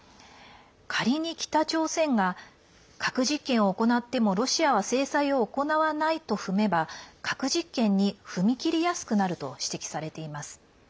仮に北朝鮮が核実験を行ってもロシアは制裁を行わないと踏めば核実験に踏み切りやすくなると指摘されています。